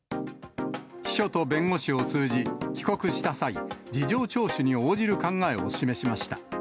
秘書と弁護士を通じ、帰国した際、事情聴取に応じる考えを示しました。